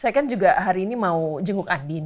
saya kan juga hari ini mau jenguk andin